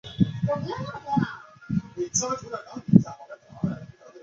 车站两股正线轨道中央设有存车线。